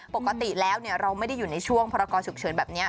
ปกติแล้วเราไม่ได้อยู่ในช่วงพรกรฉุกเฉินแบบนี้